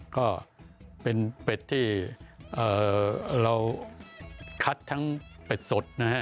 ก็เป็นเป็ดที่เราคัดทั้งเป็ดสดนะฮะ